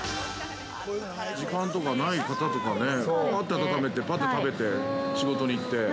◆時間とかない方とかね、ぱっと温めて、ぱっと食べて仕事に行って。